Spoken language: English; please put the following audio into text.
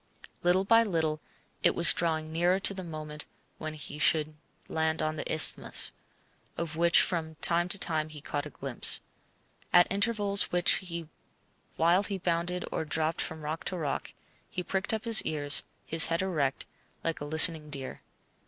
Little by little it was drawing nearer the moment when he should land on the Isthmus, of which from time to time he caught a glimpse. At intervals, while he bounded or dropped from rock to rock, he pricked up his ears, his head erect, like a listening deer.